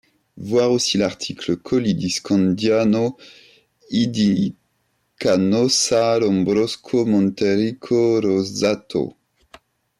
Voir aussi l’article Colli di Scandiano e di Canossa Lambrusco Montericco rosato.